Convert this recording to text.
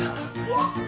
おっ！？